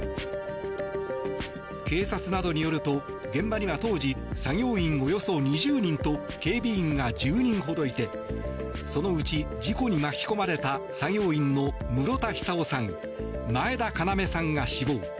警察などによると現場には当時作業員およそ２０人と警備員が１０人ほどいてそのうち事故に巻き込まれた作業員の室田久生さん前田要さんが死亡。